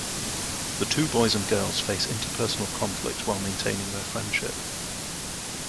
The two boys and girls face interpersonal conflict while maintaining their friendship.